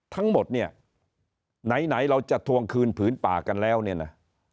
ทั้งหมดเนี่ยไหนเราจะทวงคืนผืนป่ากันแล้วเนี่ยนะ